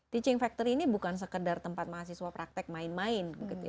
teaching factor ini bukan sekedar tempat mahasiswa praktek main main